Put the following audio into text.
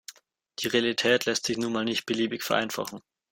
Die Realität lässt sich nun mal nicht beliebig vereinfachen.